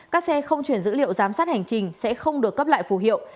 các xe không chuyển dữ liệu giám sát hành trình sẽ không được cấp lại phù hiệu